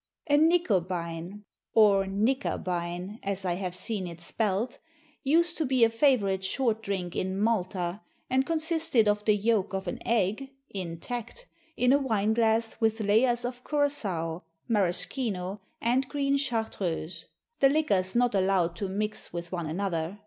A Nicobine, (or "Knickerbein" as I have seen it spelt), used to be a favourite "short" drink in Malta, and consisted of the yolk of an egg (intact) in a wine glass with layers of curaçoa, maraschino, and green chartreuse; the liquors not allowed to mix with one another.